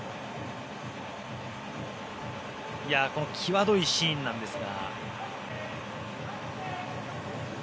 このきわどいシーンなんですが。